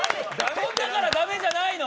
飛んだから駄目じゃないの。